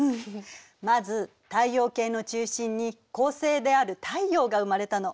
まず太陽系の中心に恒星である太陽が生まれたの。